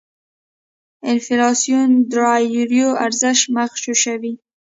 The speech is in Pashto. انفلاسیون داراییو ارزش مغشوشوي.